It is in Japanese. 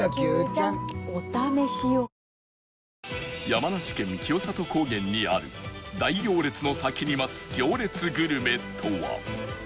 山梨県清里高原にある大行列の先に待つ行列グルメとは？